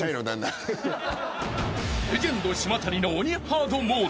［レジェンド島谷の鬼ハードモード］